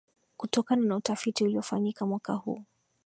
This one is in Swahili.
kutokana na utafiti uliyofanyika mwaka huu